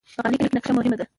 په غالۍ کې نقشه مهمه ده.